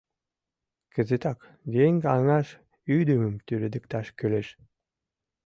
Кызытак еҥ аҥаш ӱдымым тӱредыкташ кӱлеш.